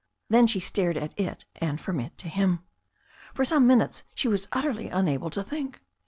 Then she stared at it, and from it to him. For some minutes she was utterly unable to think.